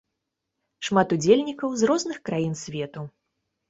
Шмат удзельнікаў з розных краін свету.